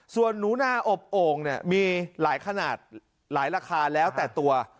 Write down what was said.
ส่วนหนูนาอบโอ่งเนี่ยมีหลายขนาดหลายราคาแล้วแต่ตัว